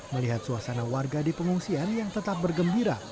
melihat suasana warga di pengungsian yang tetap bergembira